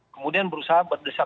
kemudian berusaha berdesak